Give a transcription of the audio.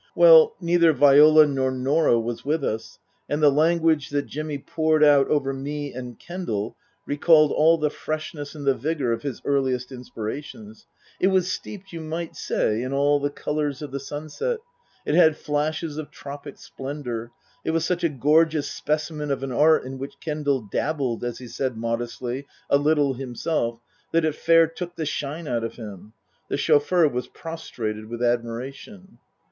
Well neither Viola nor Norah was with us, and the language that Jimmy poured out over me and Kendal recalled all the freshness and the vigour of his earliest inspirations ; it was steeped, you might say, in all the colours of the sunset ; it had flashes of tropic splendour ; it was such a gorgeous specimen of an art in which Kendal dabbled, as he said modestly, a little himself, that it " fair took the shine out of him." The chauffeur was prostrated with admiration.